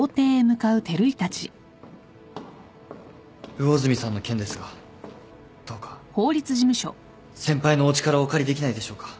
魚住さんの件ですがどうか先輩のお力をお借りできないでしょうか。